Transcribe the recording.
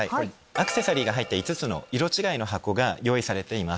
アクセサリーの入った５つの色違いの箱が用意されています。